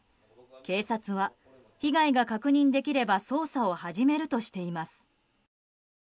警察は、被害が確認できれば捜査を始めるとしています。